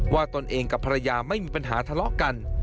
ตนเองกับภรรยาไม่มีปัญหาทะเลาะกัน